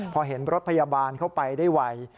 พอเห็นรถพยาบาลเข้าไปได้ไว